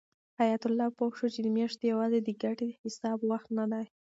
حیات الله پوه شو چې میاشتې یوازې د ګټې د حساب وخت نه دی.